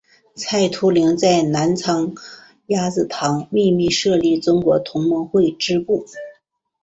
蔡突灵在南昌鸭子塘秘密设立中国同盟会支部。